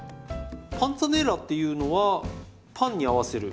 パンツァネッラっていうのはパンに合わせる。